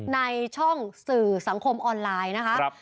ในช่องสื่อสังคมออนไลน์นะคะ